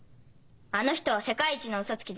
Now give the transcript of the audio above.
あの人は世界一のウソつきです。